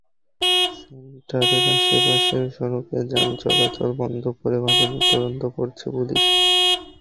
সেন্টারের আশপাশের সড়কে যান চলাচল বন্ধ করে ঘটনার তদন্ত করছে পুলিশ।